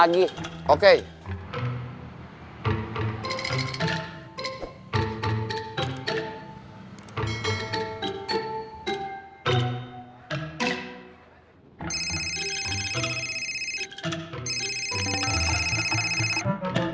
akhirnya k adequat